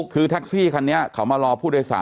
คือแท็กซี่คันนี้เขามารอผู้โดยสาร